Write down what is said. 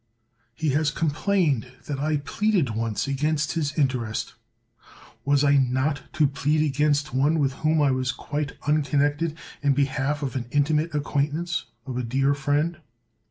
He has complained that I pleaded once against his interest. Was I not to plead against one with whom I was quite unconnected, in behalf of an intimate acquaintance, of a dear friend?